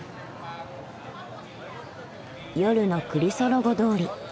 夜のクリソロゴ通り。